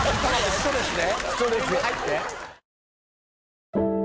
ストレスで。